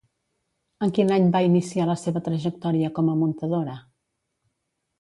En quin any va iniciar la seva trajectòria com a muntadora?